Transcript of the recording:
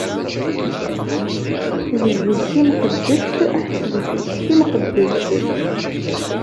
D zzit timqeddest, ḥesbet-tt d timqeddest.